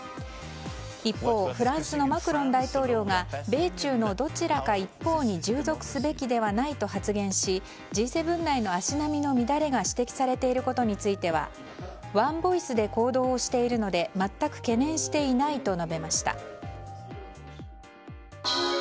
一方、フランスのマクロン大統領が米中のどちらか一方に従属すべきではないと発言しＧ７内の足並みの乱れが指摘されていることについてはワンボイスで行動しているので全く懸念していないと述べました。